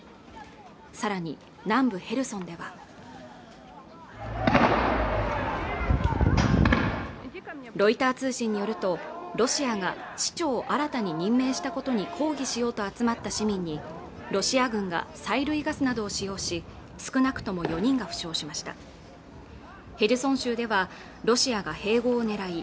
さらに南部ヘルソンではロイター通信によるとロシアが主張新たに任命したことに抗議しようと集まった市民にロシア軍が催涙ガスなどを使用し少なくとも４人が負傷しましたヘルソン州ではロシアが併合を狙い